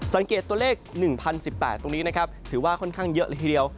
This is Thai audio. สังเกตตัวเลข๑๐๑๘ตรงนี้นะครับถือว่าค่อนข้างเยอะเลยทีเดียว